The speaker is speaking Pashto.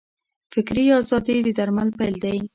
فکري ازادي د درمل پیل دی.